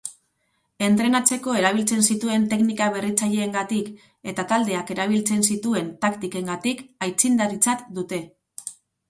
Entrenatzeko erabiltzen zituen teknika berritzaileengatik eta taldeak erabiltzen zituen taktikengatik aitzindaritzat dute.